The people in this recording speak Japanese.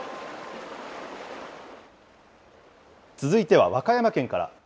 続いては和歌山県から。